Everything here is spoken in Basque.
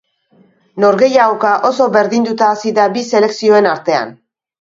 Norgehiagoka oso berdinduta hasi da bi selekzioen artean.